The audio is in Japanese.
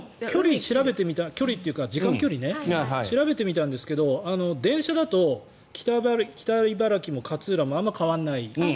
距離というか時間距離を調べてみたんですけど電車だと北茨城も勝浦もあまり変わらない。